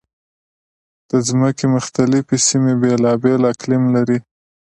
د ځمکې مختلفې سیمې بېلابېل اقلیم لري.